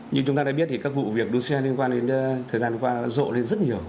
như chúng ta đã biết thì các vụ việc đua xe liên quan đến thời gian qua rộ lên rất nhiều